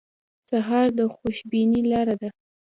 سهار د خوشبینۍ لاره ده.